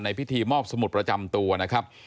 พิธีมอบสมุดประจำตัวนะครับ